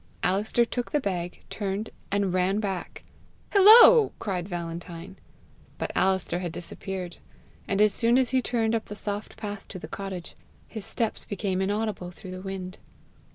Alister took the bag, turned, and ran back. "Hillo!" cried Valentine. But Alister had disappeared, and as soon as he turned up the soft path to the cottage, his steps became inaudible through the wind.